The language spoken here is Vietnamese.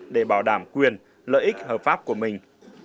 để bảo đảm quyền lợi ích hợp pháp của mình